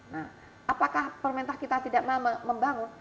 nah apakah permentah kita tidak membangun